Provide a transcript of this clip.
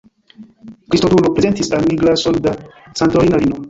Kristodulo prezentis al mi glason da Santorina vino.